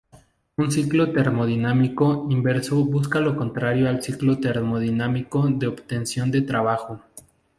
Un ciclo termodinámico inverso busca lo contrario al ciclo termodinámico de obtención de trabajo.